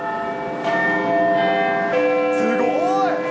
すごーい。